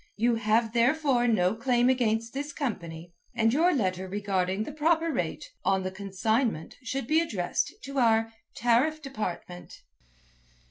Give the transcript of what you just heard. You have therefore no claim against this company, and your letter regarding the proper rate on the consignment should be addressed to our Tariff Department."